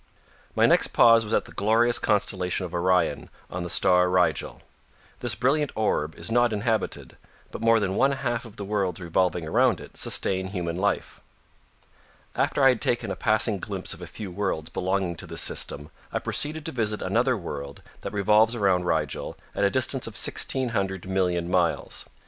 My next pause was at the glorious constellation of Orion on the star Rigel. This brilliant orb is not inhabited, but more than one half of the worlds revolving around it sustain human life. After I had taken a passing glimpse of a few worlds belonging to this system, I proceeded to visit another world that revolves around Rigel at a distance of sixteen hundred million miles.